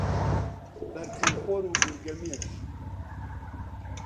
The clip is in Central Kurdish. بەرتیل خۆر و گورگەمێش